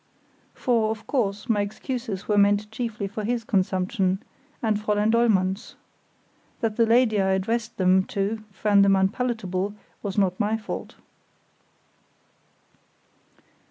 For, of course, my excuses were meant chiefly for his consumption, and Fräulein Dollmann's. That the lady I addressed them to found them unpalatable was not my fault.